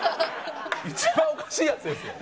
一番おかしいヤツですよ。